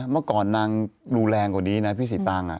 เมื่อก่อนนางดูแรงกว่านี้นะพี่สีตาง